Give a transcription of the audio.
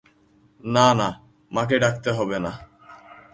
না না, মাকে ডাকতে হবে না।